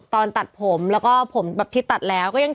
ตอนตัดผมแล้วก็ผมที่ตัดแล้ว